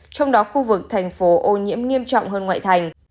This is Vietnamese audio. trong đó khu vực thành phố ô nhiễm nghiêm trọng hơn ngoại thành